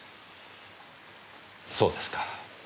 そうですか。